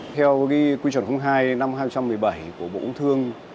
theo quy truẩn hai năm hai nghìn một mươi bảy của bộ úng thương